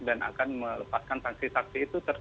dan akan melepaskan sanksi sanksi itu